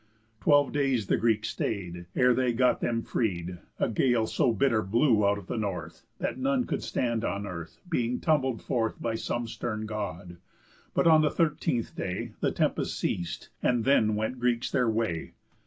Twelve days the Greeks stay'd, ere they got them freed, A gale so bitter blew out of the north, That none could stand on earth, being tumbled forth By some stern God. But on the thirteenth day The tempest ceas'd, and then went Greeks their way."